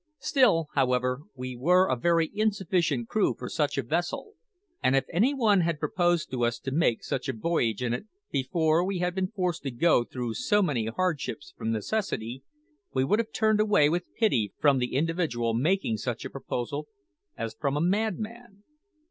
Still, however, we were a very insufficient crew for such a vessel; and if any one had proposed to us to make such a voyage in it before we had been forced to go through so many hardships from necessity, we would have turned away with pity from the individual making such proposal as from a madman.